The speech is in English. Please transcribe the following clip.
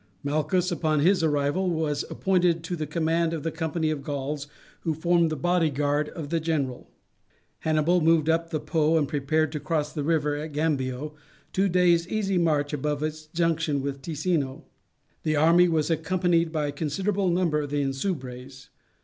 Malchus, upon his arrival, was appointed to the command of the company of Gauls who formed the bodyguard of the general. Hannibal moved up the Po and prepared to cross that river at Gambio, two days' easy march above its junction with the Ticino. The army was accompanied by a considerable number of the Insubres.